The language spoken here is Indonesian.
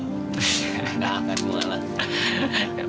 gak akan ngalah